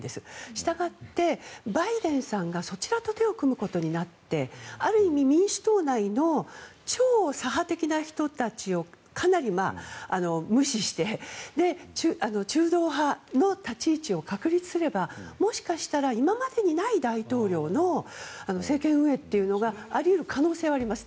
したがって、バイデンさんがそちらと手を組むことになってある種、民主党内の超左派的な人たちを無視して中道派の立ち位置を確立すればもしかしたら今までにない大統領の政権運営というのがあり得る可能性はあります。